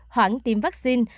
hoảng tiêm vaccine